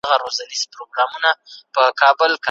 چي مو وژني دا هم زموږ د شهپر زور دی.